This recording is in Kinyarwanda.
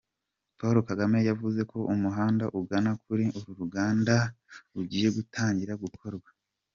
Paul Kagame yavuze ko umuhanda ugana kuri uru ruganda ugiye gutangira gukorwa.